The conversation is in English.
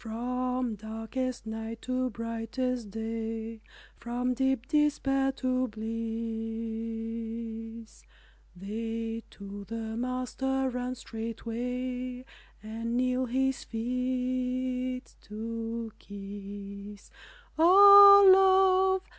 From darkest night to brightest day, From deep despair to bliss, They to the Master run straightway And kneel, His feet to kiss. O, Love!